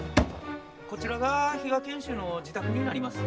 ・こちらが比嘉賢秀の自宅になります。